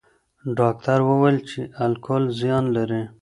ډاکټر وویل چې الکول زیان لري.